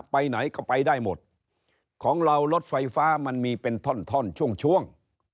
ไปไหนก็ไปได้หมดของเรารถไฟฟ้ามันมีเป็นท่อนท่อนช่วงช่วง